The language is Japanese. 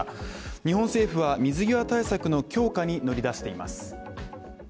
日本政府は水際対策の強化に乗り出しています。